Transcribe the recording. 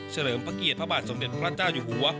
เลิมพระเกียรติพระบาทสมเด็จพระเจ้าอยู่หัว